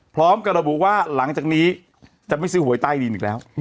พร้อมกับระบุว่าหลังจากนี้จะไม่ซื้อหวยใต้ดินอีกแล้ว